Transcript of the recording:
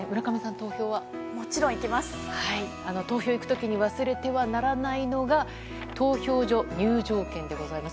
投票行く時に忘れてはならないのが投票所入場券でございます。